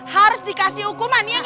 harus dikasih hukuman iya gak